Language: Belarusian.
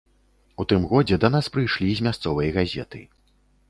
У тым годзе да нас прыйшлі з мясцовай газеты.